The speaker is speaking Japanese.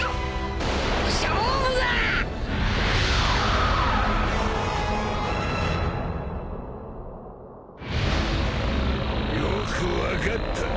勝負だ！よく分かった。